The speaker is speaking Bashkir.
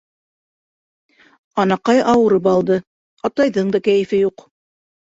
Анаҡай ауырып алды, атайҙың да кәйефе юҡ.